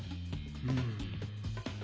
うん。